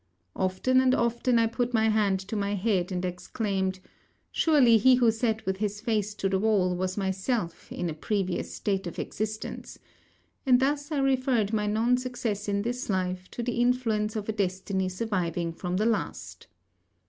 Often and often I put my hand to my head and exclaimed, 'Surely he who sat with his face to the wall was myself in a previous state of existence;' and thus I referred my non success in this life to the influence of a destiny surviving from the last.